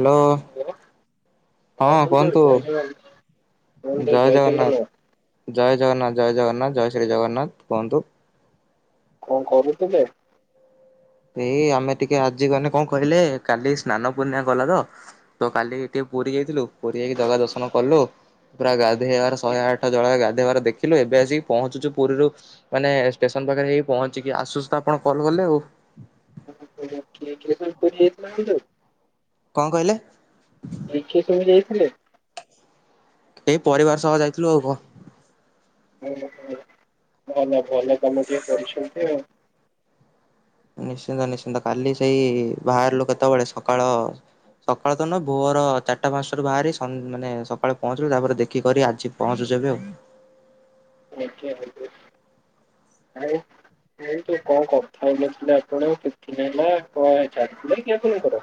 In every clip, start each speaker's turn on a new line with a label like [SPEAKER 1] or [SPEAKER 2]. [SPEAKER 1] Hello
[SPEAKER 2] hello ବନ୍ଧୁ
[SPEAKER 1] ହଁ
[SPEAKER 2] ଜୟ
[SPEAKER 1] କୁହନ୍ତୁ
[SPEAKER 2] ଜଗନ୍ନାଥ ବନ୍ଧୁ ଜୟ
[SPEAKER 1] ଜୟ ଜଗନ୍ନାଥ ଜୟ ଜଗନ୍ନାଥ ଜୟ ଜଗନ୍ନାଥ ଜୟ ଶ୍ରୀ ଜଗନ୍ନାଥ କୁହନ୍ତୁ
[SPEAKER 2] କଣ କରୁଥିଲେ
[SPEAKER 1] ଏଇ ଆମେ ଟିକେ ଆଜି ଗଲେ କଣ କହିଲେ କାଲି ସ୍ନାନ ପୂର୍ଣ୍ଣିମା ଗଲା ତ ତ କାଲି ଟିକେ ପୁରୀ ଯାଇଥିଲୁ ପୁରୀ ଯାଇକି ଜଗା ଦର୍ଶନ କଲୁ ପୁରା ଗାଧେଇବାର ଶହେ ଆଠ ଜଳ ଗାଧୋଇବାର ଦେଖ ଥିଲୁ ଏବେ ଆସିକି ପହଞ୍ଚୁଛୁ ପୁରୀରୁ ମାନେ ଷ୍ଟେସନ ପାଖରେ ହେଇକି ପହଞ୍ଚିକି ଆସୁୁ ଆସୁ ତ ଆପଣ କଲ୍ କଲେ ଆଉ
[SPEAKER 2] ଓହୋ କି କି ପଣି ହେଥିଲା ତ
[SPEAKER 1] କଣ କହିଲେ
[SPEAKER 2] [unintelligible] ଯାଇଥିଲେ
[SPEAKER 1] ଏଇ ପରିବାର ସହ ଯାଇଥିଲୁ ଆଉ କଣ
[SPEAKER 2] ଓ ହୋ ଭଲ ଭଲ କାମ ଟିକେ କରିଛନ୍ତି ଆଉ
[SPEAKER 1] ନିଶ୍ଚିନ୍ତ ନିଶ୍ଚିନ୍ତ କାଲି ସେଇ ବାହାରିଲୁ କେତେବେଳେ ସକାଳ ସକାଳ ତ ନୁହ ଭୋଅର ଚାରିଟା ପାଞ୍ଚଟାରୁ ବାହାରି ମାନେ ସ ସକାଳେ ପହଞ୍ଚିଲୁ ତାପରେ ଦେଖିକରି ଆଜି ପହଞ୍ଚୁଚୁ ଏବେ ଆଉ
[SPEAKER 2] [unintelligible] ଆଉ କୁହନ୍ତୁ କଣ କଥା ହେଥିଲେ ଆପଣ [unintelligible] ହେଲା କଣ ଜାଣିଥିଲେ କି ଆପଣଙ୍କର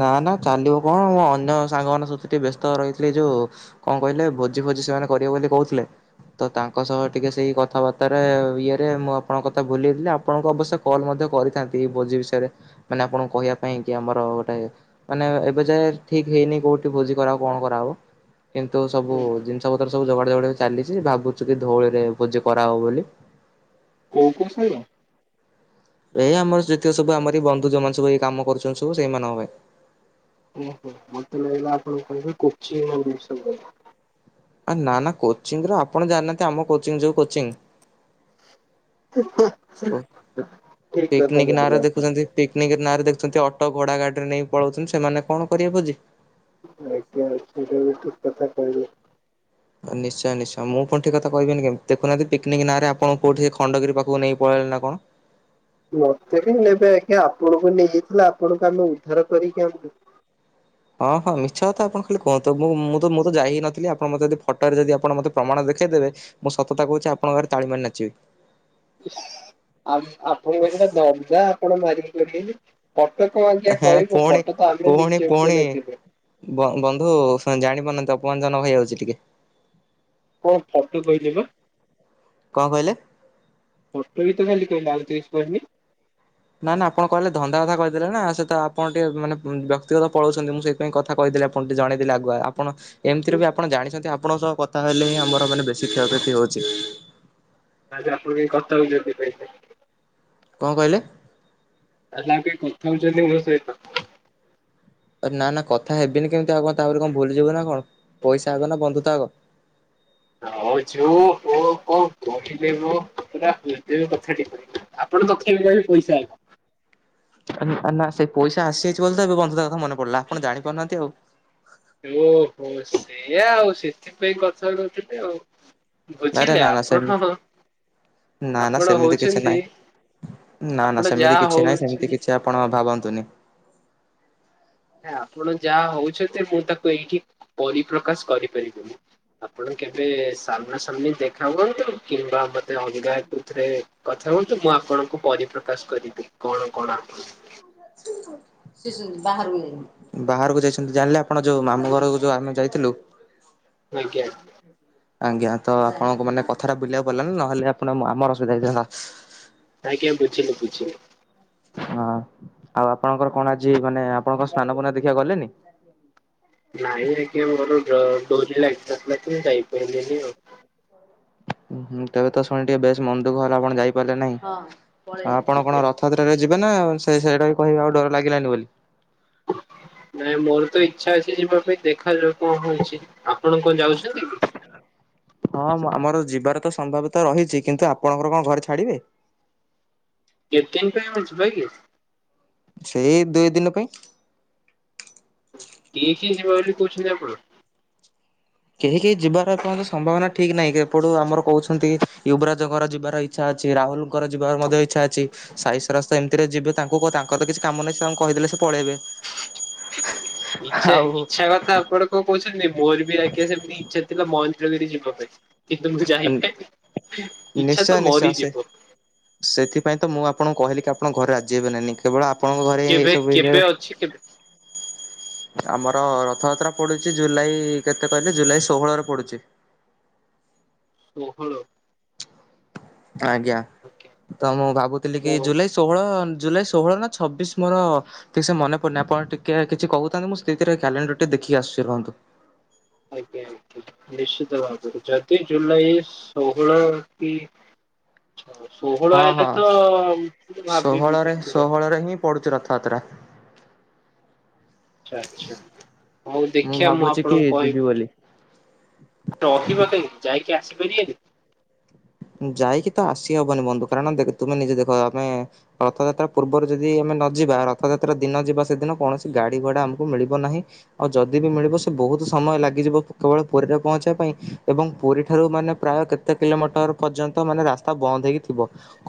[SPEAKER 1] ନା ନା ଚାଲିବୁ କଣ ମଁ ଅନ୍ୟ ସାଙ୍ଗମାନଙ୍କ ସହିତ ଟିକେ ବ୍ୟସ୍ତ ରହିଥିଲି ଯୋଉ କଣ କହିଲେ ଭୋଜି ଭୋଜି ସେମାନେ କରିବେ ବୋଲି କହୁଥିଲେ ତ ତାଙ୍କ ସହ ଟିକେ ସେଇ କଥାବାର୍ତ୍ତାାରେ ଇଏରେ ମୁଁ ଆପଣଙ୍କ କଥା ଭୁଲିଯାଇଥିଲି ଆପଣଙ୍କ ଅବଶ୍ୟ କଲ୍ ମଧ୍ୟ କରିଥାନ୍ତି ଭୋଜି ବିଷୟରେ ମାନେ ଆପଣଙ୍କୁ କହିବା ପାଇଁ କି ଆମର ଗୋଟେ ମାନେ ଏବେ ଯାଏ ଠିକ୍ ହେଇନି କୋଉଠି ଭୋଜି କରା ହବ କଣ କରା ହବ କିନ୍ତୁ ସବୁ ଜିନିଷ ପତ୍ର ସବୁ ଯଗାଡ଼ ଜଗାଡ଼ ଚାଲିଛି ଭାବୁଛି କି ଧଉଳିରେ ଭୋଜି କରାହେବ ବୋଲି
[SPEAKER 2] କୋଉ କୋଉ ସାଙ୍ଗ
[SPEAKER 1] ଏଇ ଆମର ଯେତିକ ସବୁ ଆମର ଏଇ ବନ୍ଧୁ ଯଉମାନେ ସବୁ ଏଇ କାମ କରୁଛନ୍ତି ସବୁ ସେଇମାନଙ୍କ ହ ପାଇଁ
[SPEAKER 2] ଓହୋ ମତେ ଲାଗିଲା ଆପଣ କହିବେ କୋଚି ଜିନିଷ
[SPEAKER 1] ନା ନା କୋଚିଂ ର ଆପଣ ଜାଣିନାହାନ୍ତି ଆମ କୋଚିଂ ଯୋଉ କୋଚିଂ
[SPEAKER 2] ଠିକ କଥା
[SPEAKER 1] ପିକ୍ନିକ୍
[SPEAKER 2] କହିଲେ
[SPEAKER 1] ନାଁରେ
[SPEAKER 2] ଆପଣ
[SPEAKER 1] ଦେଖୁଛନ୍ତି ପିକ୍ନିକ୍ ନାଁରେ ଦେଖୁଛନ୍ତି ଅଟୋ ଘୋଡା ଗାଡିରେ ନେଇ ପଳଉଛନ୍ତି ସେମାନେ କଣ କରିବେ ଭୋଜି
[SPEAKER 2] ଏ ସେଇଟା ବି ଠିକ୍ କଥା କହିଲେ
[SPEAKER 1] ନିଶ୍ଚୟ ନିଶ୍ଚୟ ମୁଁ ପୁଣି ଠିକ୍ କହିବିନି କେ ଦେଖନାହାନ୍ତି ପିକ୍ନିକ୍ ନାଁରେ ଆପଣ କଉଠି ଖଣ୍ଡଗିରି ପାଖକୁ ନେଇକି ପଳେଇଲେ ନା କଣ
[SPEAKER 2] ମତେ ବି ନେବେ ଆଜ୍ଞା ଆପଣଙ୍କୁ ନେଇଯାଇଥିଲା ଆପଣଙ୍କୁ ଆମେ ଉଦ୍ଧାର କରିକି ଆଣୁ
[SPEAKER 1] ହଁ ହଁ ମିଛ କଥା ଆପଣ ଖାଲି କୁହନ୍ତୁ ମୁଁ ମୁଁ ତ ଯାଇ ହିଁ ନଥିଲି ଆପଣ ମତେ ଯଦି ଫଟରେ ଯଦି ଆପଣ ମତେ ପ୍ରମାଣ ଦେଖେଇଦେବେ ମୁଁ ସତ କଥା କହୁଛି ଆପଙ୍କ ଆଗରେ ତାଳି ମାରି ନାଚିବି
[SPEAKER 2] ଆପଣଙ୍କଟା ଦରକାର୍ ଆପଣ ମାରିକି [unintelligible] ଫୋଟ କଣ ଆଜ୍ଞା
[SPEAKER 1] ହେଁ
[SPEAKER 2] କହିବୁ
[SPEAKER 1] ପୁଣି
[SPEAKER 2] ଫଟୋ ତ ଆମେ
[SPEAKER 1] ପୁଣି
[SPEAKER 2] ନିଜେ
[SPEAKER 1] ପୁଣି
[SPEAKER 2] ଉଠେଇନଥିଲୁ
[SPEAKER 1] ବ ବନ୍ଧୁ ଜାଣି ପାରୁନାହାନ୍ତି ଅପମାନଜନକ ହେଇଯାଉଛି ଟିକେ
[SPEAKER 2] କଣ ଫଟୋ କହିଲିପା
[SPEAKER 1] କଣ କହିଲେ?
[SPEAKER 2] [unintelligible] ଆଉ କିଛି ତ କହିନି।
[SPEAKER 1] ନା ନା ଆପଣ କହିଲେ ଧନ୍ଦା କଥା କହିଦେଲେ ନା ସେ ତ ଆପଣ ଟିକେ ମାନେ ବ୍ୟକ୍ତିଗତ ପଳଉଛନ୍ତି ମୁଁ ସେ ପାଇଁ କଥା କହିଦେଲି ଆପଣକୁ ଜଣେଇଦଲେ ଆଗୁଆ। ଆପଣ ଏମିତିରେ ବି ଆପଣ ଜାଣିଛନ୍ତି ଆପଣଙ୍କ ସହ କଥା ହେଲେ ହିଁ ଆମର ମାନେ ବେଶୀ କ୍ଷୟକ୍ଷତି ହେଉଚି ତ
[SPEAKER 2] ଆ ଆପଣ କେହି କଥା ହଉଛନ୍ତିି କହିଲେ
[SPEAKER 1] କଣ କହିଲେ?
[SPEAKER 2] ତାହାଲେ ଆଉ କାଇଁ କଥା ହଉଛନ୍ତି ମୋ ସହିତ।
[SPEAKER 1] ନା ନା କଥା ହେବିନି କେମିତି ଆଉ କଣ ତାପରେ କଣ ଭୁଲିଯିବୁ ନା କଣ ପଇସା ଆଗ ନା ବନ୍ଧୁତା ଆଗ।
[SPEAKER 2] [unintelligible] ପୁରା ହୃଦୟ କଥାଟି କହିଲେ। ଆପଣ [unintelligible] ପଇସା
[SPEAKER 1] ନା ନା ସେଇ ପଇସା ଆସିଯାଇଛି ବୋଲି ତ ଏବେ ବନ୍ଧୁତା କଥା ମନ ପଡ଼ିଲା ଆପଣ ଜାଣିପାରୁନାହାନ୍ତି ଆଉ।
[SPEAKER 2] ଓହୋ ସେଇଆ ଆଉ ସେଥିପାଇଁ କଥା [unintelligible] ଆଉ
[SPEAKER 1] ଆରେ
[SPEAKER 2] ବୁଝିଲେ
[SPEAKER 1] ନା ନା
[SPEAKER 2] ଆପଣ
[SPEAKER 1] ସେମିତି ନା ନା
[SPEAKER 2] ଆପଣ
[SPEAKER 1] ସେମିତି କିଛି
[SPEAKER 2] ହଉଛନ୍ତି
[SPEAKER 1] ନାହିଁ ନା ନା
[SPEAKER 2] ଆପଣ
[SPEAKER 1] ସେମିତି
[SPEAKER 2] ଯାହା
[SPEAKER 1] କିଛି ନାହିଁ ସେମିତି
[SPEAKER 2] ହଉଛନ୍ତି
[SPEAKER 1] କିଛି ସେ ଆପଣ ଭାବନ୍ତୁନି।
[SPEAKER 2] ହେ ଆପଣ ଯାହା ହଉଛନ୍ତି ମୁଁ ତାକୁ ଏଇଠି ପରିପ୍ରକାଶ କରିପାରିବିନି। ଆପଣ କେବେ ସାମ୍ନା ସାମ୍ନି ଦେଖା ହୁଅନ୍ତୁ କିମ୍ବା ମତେ ଅଲଗା କୋଉଥିରେ କଥା ହୁଅନ୍ତୁ ମୁଁ ଆପଣଙ୍କୁ ପରିପ୍ରକାଶ କରିବି କଣ କଣ ଆପଣ
[SPEAKER 1] ବାହାରକୁ ଯାଇଛନ୍ତି ଜାଣିଲେ ଆପଣ ଯୋଉ ମାମୁ ଘର ଯୋଉ ଆମେ ଯାଇଥିଲୁ
[SPEAKER 2] ଆଜ୍ଞା।
[SPEAKER 1] ଆଜ୍ଞା ତ ଆପଣଙ୍କ ମାନେ କଥାଟା ବୁଲିବାକୁ ପଡିଲାନି ନହେଲେ ଆପଣ ଆମର ଅସୁବିଧା ହେଇଥାନ୍ତା।
[SPEAKER 2] ଆଜ୍ଞା ବୁଝିଲି ବୁଝିଲି।
[SPEAKER 1] ହଁ ଆଉ ଆପଣଙ୍କର କଣ ଆଜି ମାନେ ଆପଣ କଣ ସ୍ନାନ ପୁର୍ଣ୍ଣିମା ଦେଖିବାକୁ ଗଲେନି?
[SPEAKER 2] ନାଇଁ ଆଜ୍ଞା ମୋର ଡ ଡୋରି ଲାଗିନଥିଲା ତ ମୁଁ ଯାଇପାରିଲିନି ଆଉ।
[SPEAKER 1] ହୁଁ ତେବେ ତ ଶୁଣି ଟିକେ ବେଶ ମନ ଦୁଃଖ ହେଲା ଆପଣ ଯାଇପାରିଲେ ନାହିଁ ଆ ଆପଣ କଣ
[SPEAKER 2] ଆଜ୍ଞା
[SPEAKER 1] ର ରଥଯାତ୍ରାରେ ଯିବେ ନା ସେଇ ସେଇଟା ହିଁ କହିବେ ଆଉ ଡୋରି ଲାଗିଲାନି ବୋଲି।
[SPEAKER 2] ନାଇଁ ମୋର ତ ଇଚ୍ଛା ଅଛି ଯିବା ପାଇଁ ଦେଖାଯାଉ କଣ ହଉଛି ଆପଣ କଣ ଯାଉଛନ୍ତି? କି?
[SPEAKER 1] ହଁ ଆମର ଯିବାର ତ ସମ୍ଭବତା ରହିଛି କିନ୍ତୁ ଆପଣଙ୍କର କଣ ଘରେ ଛାଡିବେ?
[SPEAKER 2] କେତେ ଦିନ ପାଇଁ ଆମେ ଯିବା କି
[SPEAKER 1] ସେଇ ଦୁଇ ଦିନ ପାଇଁ।
[SPEAKER 2] କିଏ କିଏ ଯିବା ବୋଲି କହୁଛନ୍ତି ଆପଣ?
[SPEAKER 1] କେହି କେହି ଯିବାର କଣ ସମ୍ଭାବନା ଠିକ ନାହିଁ ଏପଟୁ ଆମର କହୁଛନ୍ତି ୟୂବରାଜ ଘର ଯିବାର ଇ ଇଚ୍ଛା ଅଛି ରାହୁଲଙ୍କର ଯିବାର ମଧ୍ୟ ଇଚ୍ଛା ଅଛି। ସାଇସରାସ୍ ତ ଏମିତିରେ ଯିବେ ତାଙ୍କୁ ତାଙ୍କର ତ କିଛି କାମ ନାହିଁ ସେ ତାଙ୍କୁ କହିଦେଲେ ସେ ପଳେଇବେ।
[SPEAKER 2] ଇଛା
[SPEAKER 1] ଆଉ
[SPEAKER 2] ଇଛା କଥା ଆପଣ କଣ କହୁଛନ୍ତି? ମୋର ବି ଆଜ୍ଞା ସେମିତି ଇଚ୍ଛା ଥିଲା ମହେନ୍ଦ୍ରଗିରି ଯିବା ପାଇଁ କିନ୍ତୁ ମୁଁ ଯାଇ ପାଇଲିନି ଇଚ୍ଛା
[SPEAKER 1] ନିଶ୍ଚୟ
[SPEAKER 2] ତ
[SPEAKER 1] ନିଶ୍ଚୟ ସେ
[SPEAKER 2] ମରିଯିବ
[SPEAKER 1] ସେଥିପାଇଁ ତ ମୁଁ ଆପଣଙ୍କୁ କହିଲି କି ଆପଣ ଘରେ ରାଜି ହେବେ ନା ନାଇଁ। କେବଳ ଆପଣଙ୍କ ଘରେ ଏ
[SPEAKER 2] କେବେ
[SPEAKER 1] ସବୁ
[SPEAKER 2] କେବେ ଅଛି କେବେ
[SPEAKER 1] ବିଷୟରେ ଆମର ରଥଯାତ୍ରା ପଡୁଛି ଜୁଲାଇ କେତେ କହିଲେ ଜୁଲାଇ ଷୋହଳରେ ପଡୁଚି।
[SPEAKER 2] ଷୋହଳ
[SPEAKER 1] ଆଜ୍ଞା
[SPEAKER 2] ଆଜ୍ଞା।
[SPEAKER 1] ତ ମୁଁ ଭାବୁଥିଲି କି
[SPEAKER 2] ମୁଁ
[SPEAKER 1] ଜୁଲାଇ ଷୋହଳ ଜୁଲାଇ ଷୋହଳ ନା ଛବିଶ୍ ମୋର। ଠିକ୍ ସେ ମନେ ପଡୁନି ଆପଣ ଟିକେ କିଛି କହୁଥାନ୍ତୁ, ମୁଁ ସେତିକି ଭିତରେ କ୍ୟାଲେଣ୍ଡର ଟି ଦେଖିକି ଆସୁଛି ରହନ୍ତୁ।
[SPEAKER 2] ଆଜ୍ଞା -ଆଜ୍ଞା ନିଶ୍ଚିତ ଭାବରେ ଯଦି ଜୁଲାଇ ଷୋହଳ କି ଷୋହଳ
[SPEAKER 1] ହଁ
[SPEAKER 2] ହେଲେ
[SPEAKER 1] ହଁ
[SPEAKER 2] ତ ଭାବିବି ନିଶ୍ଚିତ।
[SPEAKER 1] ପଡୁଚି ରଥଯାତ୍ରା।
[SPEAKER 2] ଆଚ୍ଛା ଆଚ୍ଛା ହଉ ଦେଖିଆ ମୁଁ
[SPEAKER 1] ଭାବୁଛି କି
[SPEAKER 2] ଆପଣଙ୍କୁ
[SPEAKER 1] ଯିବି ବୋଲି।
[SPEAKER 2] କହିବି। ରହିବା କାହିଁକି ଯାଇକି ଆସିପାରିବନି।
[SPEAKER 1] ଯାଇକି ତ ଆସି ହବନି ବନ୍ଧୁ କାରଣ ଦେଖ ତୁମେ ନିଜେ ଦେଖ ଆମେ ରଥଯାତ୍ରା ପୂର୍ବରୁ ଯଦି ଆମେ ନଯିବା ରଥଯାତ୍ରା ଦିନ ଯିବା ସେଦିନ କୌଣସି ଗାଡି ଘୋଡା ଆମକୁ ମିଳିବ ନାହିଁ। ଆଉ ଯଦି ବି ମିଳିବ ସେ ବୋହୁତ୍ ସମୟ ଲାଗିଯିବ କେବଳ ପୁରୀରେ ପହଞ୍ଚିବା ପାଇଁ ଏବଂ ପୁରୀ ଠାରୁ ମାନେ ପ୍ରାୟ କେତ୍ କେତେ କିଲୋମିଟର ପର୍ଯ୍ୟନ୍ତ ମାନେ ରାସ୍ତା ବନ୍ଦ ହେଇକି ଥିବ।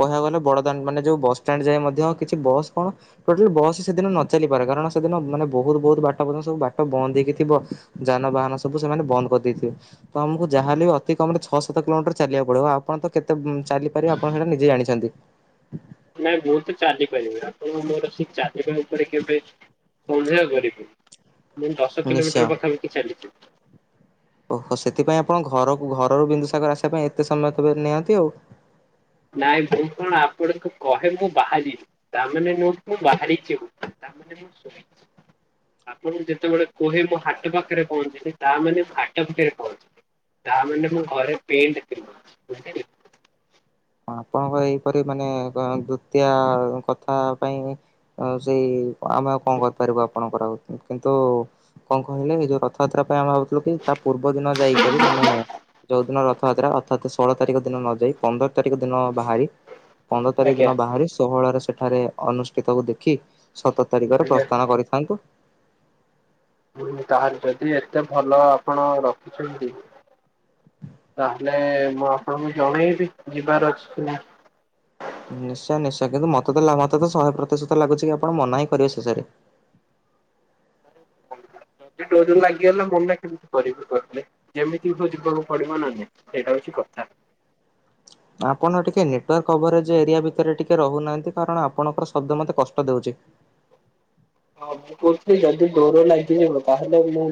[SPEAKER 1] କହିବାକୁ ଗଲେ ବଡଦାଣ୍ଡ୍ ମାନେ ଯୋଉଁ ବସଷ୍ଟାଣ୍ଡ୍ ଯାଏ ମଧ୍ୟ କିଛି ବସ୍ କଣ? ଟୋଟାଲି ବସ୍ ସେଦିନ ନ ଚାଲିପାରେ କାରଣ ସେଦିନ ମାନେ ବୋହୁତ୍ ବୋହୁତ୍ ବାଟ ପର୍ଯ୍ୟନ୍ତ ସବୁ ବାଟ ବନ୍ଦ ହେଇକି ଥିବ। ଯାନବାହାନ ସବୁ ସେମାନେ ବନ୍ଦ କରିଦେଇଥିବେ, ତ ଆମକୁ ଯାହାେଲେ ବି ଅତି କମ୍ ରେ ଛଅ ସାତ କିଲୋମିଟର ଚାଲିବାକୁ ପଡ଼ିବ ଆ ଆପଣ ତ କେତେ ଚାଲିପାରିବେ ଆପଣ ସେଇଟା ନିଜେ ଜାଣିଛନ୍ତି।
[SPEAKER 2] ନାଇଁ ମୁଁ ତ ଚାଲିପାରିବି ଆପଣ ମତେ ଗୋଟେ ସେ ଚାଲିବା ଉପରେ କେବେ ସନ୍ଦେହ କରିବି ମୁଁ ଦଶ
[SPEAKER 1] ନିଶ୍ଚୟ
[SPEAKER 2] କିଲୋମିଟର ପାଖାପାଖି ଚାଲିଚି।
[SPEAKER 1] ଓହୋ ସେଥିପାଇଁ ଆପଣ ଘରକୁ ଘରରୁ ବିନ୍ଦୁସାଗର ଆସିବା ପାଇଁ ଏତେ ସମୟ ତ ନିଅନ୍ତି ଆଉ।
[SPEAKER 2] ନାଇଁ ମୁଁ କଣ ଆପଣଙ୍କୁ କହେ ମୁଁ ବାହାରିଲି ତାମାନେ ନୁହକି ମୁଁ ବାହାରିଛିି। ମାନେ ମୁଁ ଶୁଣିଚି। ଆପଣଙ୍କୁ ଯେତେବେଳେ କୁହେ ମୁଁ ହାଟ ପାଖରେ ପହଞ୍ଚିଲି ତା ମାନେ ମୁଁ ହାଟ ଭିତରେ ପହଞ୍ଚିବି। ତା ମାନେ ମୁଁ ଘରେ ପେଣ୍ଟେ ପିନ୍ଧୁଚି ବୁଝିଲେ?
[SPEAKER 1] ଆପଣଙ୍କ ଏଇପରି ମାନେ ଦ୍ଵିତୀୟା କଥା ପାଇଁ। ଆ ସେଇ ଆମେ ଆଉ କଣ କରିପାରିବୁ ଆପଣଙ୍କର କିନ୍ତୁ କଣ କହିଲେ ଏଇ ଯୋଉଁ ରଥଯାତ୍ରା ପାଇଁ ଆମେ ଭାବୁଥିଲୁ କି ତା ପୂର୍ବ ଦିନ ଯାଇକରି ମାନେ ଯୋଉଁ ଦିନ ରଥଯାତ୍ରା ଅର୍ଥାତ୍ ଷୋହଳ ତାରିଖ ଦିନ ନ ଯାଇଁ ପନ୍ଦର ତାରିଖ ଦିନ ବାହାରି। ପନ୍ଦର ତାରିଖ
[SPEAKER 2] ଆଜ୍ଞା
[SPEAKER 1] ଦିନ ବାହାରି ଷୋହଳରେ ସେଠାରେ ଅନୁଷ୍ଠିତକୁ ଦେଖି ସତର ତାରିଖରେ
[SPEAKER 2] ଆଜ୍ଞା
[SPEAKER 1] ପ୍ରସ୍ଥାନ କରିଥାନ୍ତୁ।
[SPEAKER 2] ହୁଁ ତାହାଲେ ଯଦି ଏତେ ଭଲ ଆପଣ ରଖିଛନ୍ତି। ତାହେଲେ ମୁଁ ଆପଣଙ୍କୁ ଜଣେଇବି ଯିବାର ଅଛିକି ନାହିଁ।
[SPEAKER 1] ନିଶ୍ଚୟ ନିଶ୍ଚୟ କିନ୍ତୁ ମତେ ତ ମତେ ତ ଶହେ ପ୍ରତିଶତ ଲାଗୁଚି କି ଆପଣ ମନା ହିଁ କରିବେ ଶେଷରେ।
[SPEAKER 2] ଯଦି ଡୋରି ଲାଗିଗଲା ମନା କେମିତି କରିବି କହଲେ। ଯେମିତି ହୋଉ ଯିବାକୁ ପଡ଼ିବ ନା ନାଁ, ସେଇଟା ହୋଉଚି କଥା।
[SPEAKER 1] ଆପଣ ଟିକେ ନେଟୱାର୍କ ଆଭରେଜ୍ ଏରିଆ ଭିତରେ ଟିକେ ରହୁନାହାନ୍ତି କାରଣ ଆପଣଙ୍କର ଶବ୍ଦ ମୋତେ କଷ୍ଟ ଦେଉଚି।
[SPEAKER 2] ସବୁ କୋଉଚି ଯେଦି ଡୋର ଲାଗିବ ତାହେଲେ ମୁଁ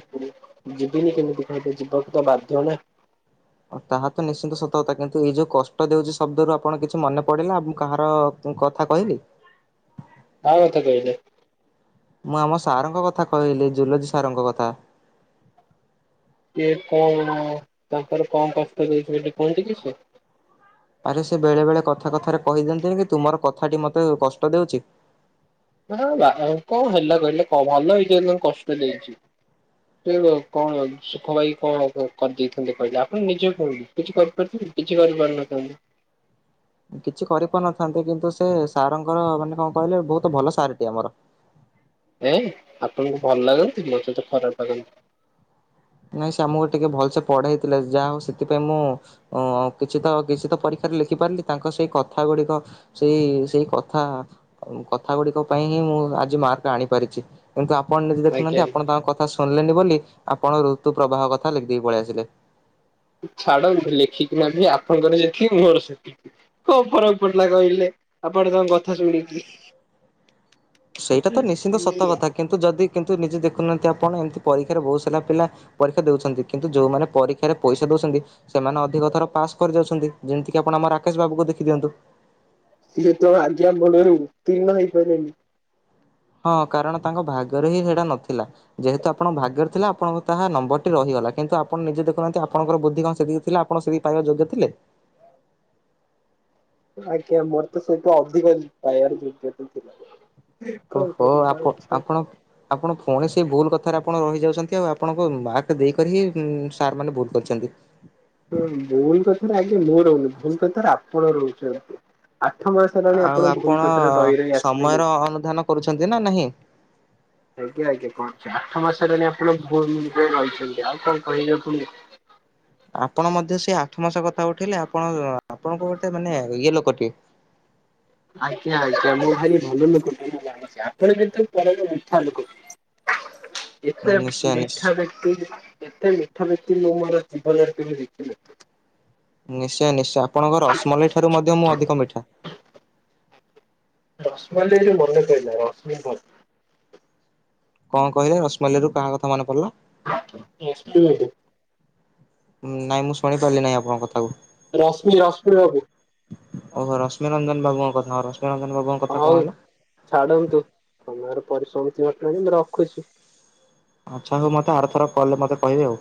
[SPEAKER 2] ଯିବିନି କେମିତି କହିବି ଯିବାକୁ ତ ବାଧ୍ୟ ନା।
[SPEAKER 1] ତାହା ତ ନିଶ୍ଚିନ୍ତ ସତ କଥା କିନ୍ତୁ ଏଇ ଯୋଉଁ କଷ୍ଟ ଦୋଉଚି ଶବ୍ଦରୁୁ ଆପଣ କିଛି ମନେ ପଡ଼ିଲା ମୁଁ କାହାର ମୁଁ କଥା କହିଲି।
[SPEAKER 2] କାହା କଥା କହିଲେ?
[SPEAKER 1] ମୁଁ ଆମ ସାର୍ ଙ୍କ କଥା କହିଲି ଜୁଲୋଜ୍ ସାର୍ ଙ୍କ କଥା।
[SPEAKER 2] କିଏ କଣ ତାଙ୍କର କମ୍ କଷ୍ଟ ଦେଇଚନ୍ତି ବୋଲି କୁହନ୍ତି କିସ।
[SPEAKER 1] ଆରେ ସେ ବେଳେ ବେଳେ କଥା କଥାରେ କହିଦିଅନ୍ତିନି କି ତୁମର କଥାଟି ମତେ କଷ୍ଟ ଦେଉଚି।
[SPEAKER 2] ମାନେ ଗୋଟେ ବାପା ବି କଣ ହେଲା କହିଲେ ଭଲ ହେଇଚି ତାଙ୍କୁ କଷ୍ଟ ଦେଇଚି। ସେ କଣ ସୁଖ ପାଇଁ କି କଣ କରିଦେଇଥାନ୍ତେ କହିଲେ ଆପଣ ନିଜେ କହନ୍ତୁ କିଛି କରିପାର କିଛି କରିପାରିନଥାନ୍ତି।
[SPEAKER 1] କିଛି କରିପାରୁନଥାନ୍ତେ କିନ୍ତୁ ସେ ସାର୍ ଙ୍କର ମାନେ କଣ କହିଲେ ବହୁତ ଭଲ ସାର୍ ଟି ଆମର।
[SPEAKER 2] ଏଁ ଆପଣଙ୍କୁ ଭଲ ଲାଗନ୍ତି ମୋତେ ତ ଖରାପ୍ ଲାଗନ୍ତିି।
[SPEAKER 1] ନାଇଁ ସେଆମକୁ ଟିକେ ଭଲସେ ପଢେଇଥିଲା ଯାହା ହଉ ସେଥିପାଇଁ ମୁଁ ଓ କିଛି ତ କିଛି ତ ପରୀକ୍ଷାରେ ଲେଖି ପାରିଲି ତାଙ୍କ ସେଇ କଥା ଗୁଡ଼ିକ ସେଇ ସେଇ କଥା କଥା ଗୁଡ଼ିକ ପାଇଁ ହିଁ ମୁଁ ଆଜି ମାର୍କ ଆଣିପାରିଛି। କିନ୍ତୁ ଆପଣ ନିଜେ ଦେଖୁନାହାନ୍ତି
[SPEAKER 2] ଆଜ୍ଞା
[SPEAKER 1] ଆପଣ ତାଙ୍କ କଥା ଶୁଣିଲେନି ବୋଲି ଆପଣ ଋତୁ ପ୍ରବାହ କଥା ଲେଖି ଦେଇକି ପଳେଇ ଆସିଲେ।
[SPEAKER 2] ଛାଡ଼ ଲେଖିକି ନାହିଁ ଆପଣଙ୍କର ଯେତିକି ମୋର ସେତିକି। କଣ ଫରକ୍ ପଡ଼ିଲା କହିଲେ ଆପଣ ତାଙ୍କ କଥା ଶୁଣିକି।
[SPEAKER 1] ସେଇଟା ତ ନିଶ୍ଚିନ୍ତ ସତ କଥା କିନ୍ତୁ ଯଦି କିନ୍ତୁ ନିଜେ ଦେଖୁନାହାନ୍ତି ଆପଣ ଏମିତି ପରୀକ୍ଷାରେ ବହୁତ ସାରା ପିଲା ପରୀକ୍ଷା ଦଉଛନ୍ତି କିନ୍ତୁ ଯୋଉମାନେ ପରୀକ୍ଷାରେ ପଇସା ଦଉଛନ୍ତି ସେମାନେ ଅଧିକ ଥର ପାସ୍ କରି ଯାଉଛନ୍ତି ଯେମିତିକି ଆପଣ ଆମ ରାକେଶ ବାବୁକୁ ଦେଖି ଦିଅନ୍ତୁ।
[SPEAKER 2] ସିଏ ତ ଆଜ୍ଞା ମୂଳରୁ ଉତିନ୍ନ ହେଇପାରେନି।
[SPEAKER 1] ହଁ କାରଣ ତାଙ୍କ ଭାଗରେ ହିଁ ସେଇଟା ନଥିଲା। ଯେହେତୁ ଆପଣଙ୍କ ଭାଗ୍ୟରେ ଥିଲା ଆପଣଙ୍କ ତାହା ନମ୍ବରଟି ରହିଗଲା କିନ୍ତୁ ଆପଣ ନିଜ ଦେଖୁହାନ୍ତି ଆପଣଙ୍କର ବୁଦ୍ଧି କଣ ସେତିକି ଥିଲା ଆପଣ ସେତିକି ପାଇବା ଯୋଗ୍ୟ ଥିଲେ?
[SPEAKER 2] ଆଜ୍ଞା ମୋର ତ ସେଇଠୁ ଅଧିକ ପାଇାର ଯୋଗ୍ୟତ ଥିଲା। କଣ
[SPEAKER 1] ଓହୋ
[SPEAKER 2] କରିବି ଆଉ
[SPEAKER 1] ଆପ
[SPEAKER 2] ଇଚ୍ଛା
[SPEAKER 1] ଆପଣ ଆପଣ ପୁଣି ସେ ଭୁଲ କଥାରେ ଆପଣ ରହିଯାଉଛନ୍ତି ଆଉ ଆପଣଙ୍କ ମାର୍କ ଦେଇକରି ହିଁ ସାର୍ ମାନେ ଭୁଲ କରିଛନ୍ତି।
[SPEAKER 2] ହଁ ଭୁଲ୍ କଥାରେ ଆଜ୍ଞା ମୁଁ ରହୁନି ଭୁଲ୍ କଥାରେ ଆପଣ ରହୁଛନ୍ତି। ଆଠ ମାସ୍ ହେଲାଣି ଆପଣ ଭୁଲ୍ କଥାରେ ରହି ରହି ଆସିଲେନି।
[SPEAKER 1] ସମୟର ଅନୁଧ୍ୟାନ କରୁଛନ୍ତି ନା ନାହିଁ?
[SPEAKER 2] ଆଜ୍ଞା ଆଜ୍ଞା କଣ ଆଠ ମାସ ହେଲାଣି ଆପଣ ଭୁଲ୍ ମିକ ରହିଛନ୍ତି ଆଉ କଣ କହିବି ଆପଣଙ୍କୁ।
[SPEAKER 1] ଆପଣ ମଧ୍ୟ ସେ ଆଠ ମାସ କଥା ଉଠେଇଲେ ଆପଣ ଆପଣଙ୍କୁ ଗୋଟେ ମାନେ ଇଏ ଲୋକଟିିଏ।
[SPEAKER 2] ଆଜ୍ଞା ଆଜ୍ଞା ମୁଁ ଭାରି ଭଲ ଲୋକ ଟିଏ ଜାଣିଛି ଆପଣ କିନ୍ତୁ ପରମ ଉଠା ଲୋକ [unintelligible] ଏତେ
[SPEAKER 1] ନିଶ୍ଚୟ ନିଶ୍ଚୟ
[SPEAKER 2] ମିଠା ବ୍ୟକ୍ତି ଏତେ ମିଠା ବ୍ୟକ୍ତି ମୁଁ ମୋର ଜୀବନରେ କେବେ ଦେଖିନି
[SPEAKER 1] ନିଶ୍ଚୟ ନିଶ୍ଚୟ ଆପଣଙ୍କର ରସମଲେ ଇ ଠାରୁ ମଧ୍ୟ ମୁଁ ଅଧିକ ମିଠା।
[SPEAKER 2] ରଶମଲେଇ ରୁ ମନେ ପଇଲା ରଶ୍ମି ମୁ।
[SPEAKER 1] କଣ କହିଲେ ରଶମଲେଇ ରୁ କାହା କଥା ମନେ ପଡ଼ିଲା?
[SPEAKER 2] [unintelligible]
[SPEAKER 1] ନାଇଁ ମୁଁ ଶୁଣି ପାରିଲି ନାହିଁ ଆପଣଙ୍କ କଥାକୁ?
[SPEAKER 2] ରଶ୍ମି ରଶ୍ମି ବାବୁ।
[SPEAKER 1] ଓହୋ ରଶ୍ମିରଞ୍ଜନ୍ ବାବୁଙ୍କ କଥା ରଶ୍ମିରଞ୍ଜନ୍ ବାବୁଙ୍କ କଥା
[SPEAKER 2] ହଉ
[SPEAKER 1] କଣ ହେଲା?
[SPEAKER 2] ଛାଡନ୍ତୁ ସମୟର ପରିଶମତି ଘଟିଲାଣି ମୁଁ ରଖୁଛି?
[SPEAKER 1] ଆଚ୍ଛା ହଉ ମତେ ଆରଥର କଲ୍ ମୋତେ କିହିବେ ଆଉ?